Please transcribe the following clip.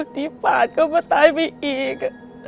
ที่ปาดก็มาตายไปอีก